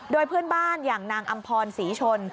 โดยเพื่อนบ้านอย่างนางอำพรศรีชน